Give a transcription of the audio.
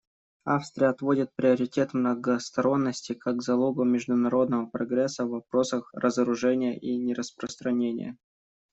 Австрия отводит приоритет многосторонности как залогу международного прогресса в вопросах разоружения и нераспространения.